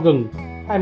một quả chanh